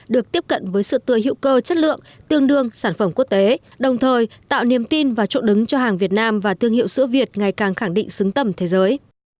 được tiếp cận với sự tươi hữu cơ chất lượng tương đương sản phẩm quốc tế đồng thời tạo niềm tin và chỗ đứng cho hàng việt nam và thương hiệu sữa việt ngày càng khẳng định xứng tầm thế giới